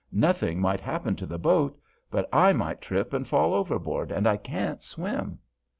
Nothing might happen to the boat, but I might trip and fall overboard, and I can't swim."